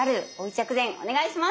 薬膳お願いします。